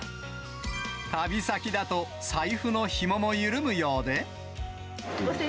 旅先だと、財布のひもも緩むようで。